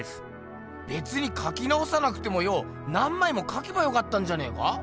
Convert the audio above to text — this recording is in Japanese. べつにかきなおさなくてもよお何まいもかけばよかったんじゃねえか？